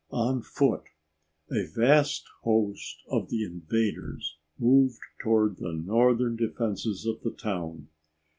On foot, a vast host of the invaders moved toward the northern defenses of the town.